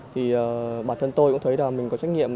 thì bản thân tôi cũng thấy là mình có trách nhiệm